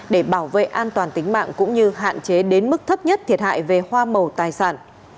để bảo vệ an toàn tính mạng cũng như hạn chế đến mức thấp nhất thiệt hại về hoa màu tài sản